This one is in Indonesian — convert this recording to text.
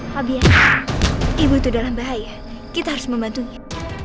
habiah ibu itu dalam bahaya kita harus membantunya